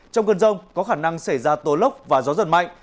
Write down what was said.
trong cơn rông có khả năng xảy ra tố lốc và gió giật mạnh